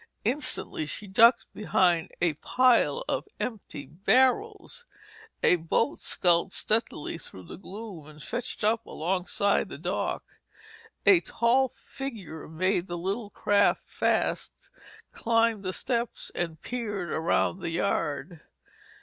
Instantly she ducked behind a pile of empty barrels. A boat skulled stealthily through the gloom and fetched up alongside the dock. A tall figure made the little craft fast, climbed the steps and peered around the yard.